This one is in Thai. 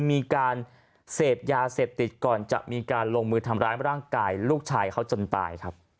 มีการเสพยาเสพติดก่อนจะมีการลงมือทำร้ายร่างกายลูกชายเขาจนตายครับ